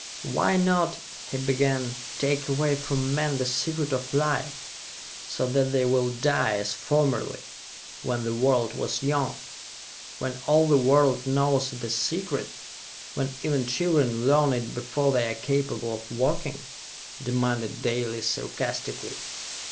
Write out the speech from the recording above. "Why not," he began, "take away from men the Secret of Life, so that they will die, as formerly, when the world was young?" "When all the world knows the Secret, when even children learn it before they are capable of walking?" demanded Dalis sarcastically.